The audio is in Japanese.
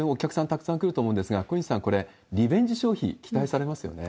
たくさん来ると思うんですが、小西さん、これ、リベンジ消費、期待されますよね。